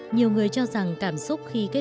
nhiều người cho rằng cảm xúc khi gặp một người lạ